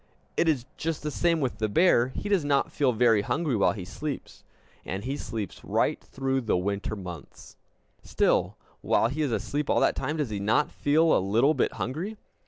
It is just the same with the bear; he does not feel very hungry while he sleeps. And he sleeps right through the winter months! Still, while he is asleep all that time, does he not feel a little bit hungry?